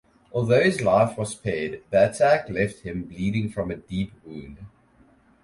Although his life was spared, the attack left him bleeding from a deep wound.